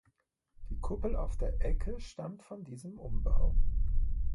Die Kuppel auf der Ecke stammt von diesem Umbau.